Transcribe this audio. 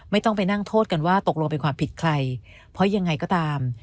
ไม่ต้องไปนั่งโทษกันว่าตกลงเป็นความผิดใครเพราะยังไงก็ตาม